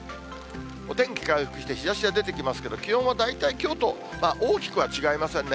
お天気回復して、日ざしが出てきますけれども、気温は大体きょうと、大きくは違いませんね。